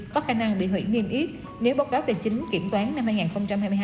có khả năng bị hủy niêm yết nếu báo cáo tài chính kiểm toán năm hai nghìn hai mươi hai